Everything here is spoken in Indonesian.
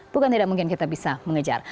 bukan tidak mungkin kita bisa mengejar